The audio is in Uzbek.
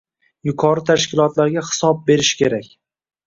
Yuqori tashkilotlarga hisob berish kerak.